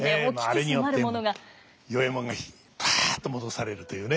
あれによって与右衛門がぱっと戻されるというね。